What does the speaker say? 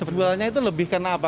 sebenarnya itu lebih karena apa